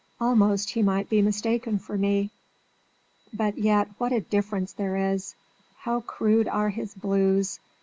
Almost he might be mistaken for me. But yet what a difference there is! How crude are his blues!